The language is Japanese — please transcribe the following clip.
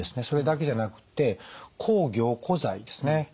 それだけじゃなくって抗凝固剤ですね